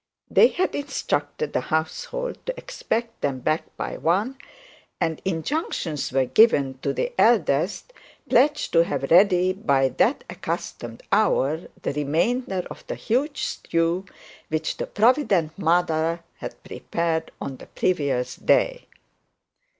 They had instructed the household to expect them back by one, and injunctions were given to the eldest pledge to have ready by that accustomed hour the remainder of the huge stew which the provident mother had prepared on the previous day.